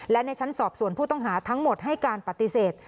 และในชั้นสอบส่วนผู้ต้องหาทั้งหมดให้การปฏิเสธ